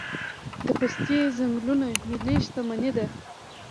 د پستې ځنګلونه ملي شتمني ده؟